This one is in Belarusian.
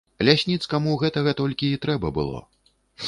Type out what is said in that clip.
Лясніцкаму гэтага толькі і трэба было.